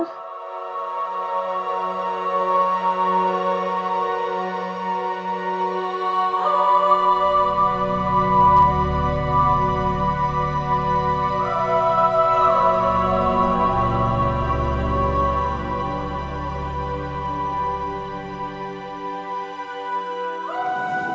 aku mau pulih ngerah